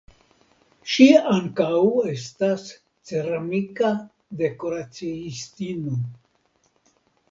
Ŝi ankaŭ estas ceramika dekoraciistino.